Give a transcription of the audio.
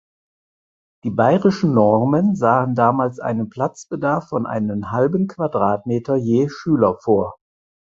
Die bayerischen Normen sahen damals einen Platzbedarf von einem halben Quadratmeter je Schüler vor.